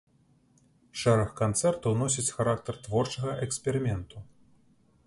Шэраг канцэртаў носяць характар творчага эксперыменту.